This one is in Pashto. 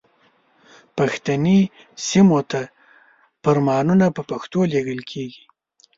پښتني سیمو ته فرمانونه په پښتو لیږل کیږي.